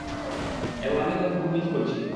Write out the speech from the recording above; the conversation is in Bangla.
এবং আমি তোমাকে খুব মিস করছি।